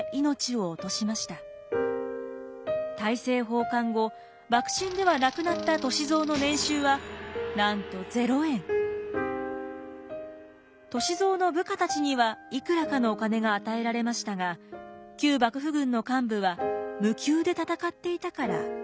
大政奉還後幕臣ではなくなった歳三の部下たちにはいくらかのお金が与えられましたが旧幕府軍の幹部は無給で戦っていたからでした。